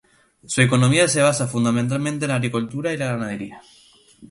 Su economía se basa fundamentalmente en la agricultura y la ganadería.